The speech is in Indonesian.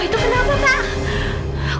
itu kenapa pak